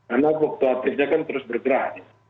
karena fluktuatifnya kan terus bergerak